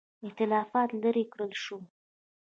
اختلافات لیرې کړل شول.